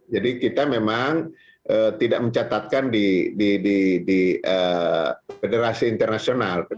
jadi kita memang tidak mencatatkan di federasi internasional